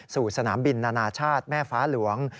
สนามบินนานาชาติแม่ฟ้าหลวง